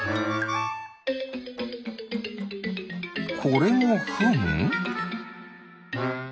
これもフン？